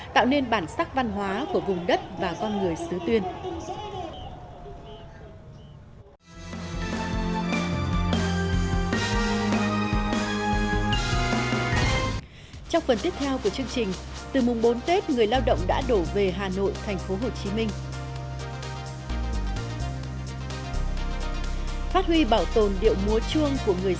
tạo nên bản sắc văn hóa của vùng đất và con người xứ tuyên